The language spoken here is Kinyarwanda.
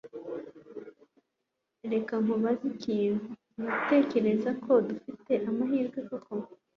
Reka nkubaze ikintu, Uratekereza ko dufite amahirwe koko?